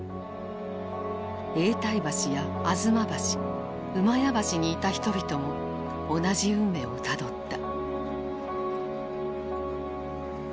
永代橋や吾妻橋厩橋にいた人々も同じ運命をたどった。